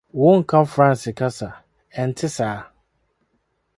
Wonka Franse kasa, ɛnte saa?